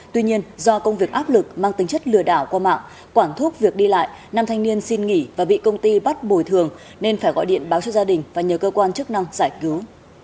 tuy nhiên do công việc áp lực mang tính chất lừa đảo qua mạng quản thúc việc đi lại nam thanh niên xin nghỉ và bị công ty bắt bồi thường nên phải gọi điện báo cho gia đình và nhờ cơ quan chức năng giải cứu